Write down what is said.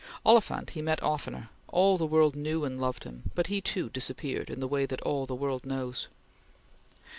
Oliphant he met oftener; all the world knew and loved him; but he too disappeared in the way that all the world knows.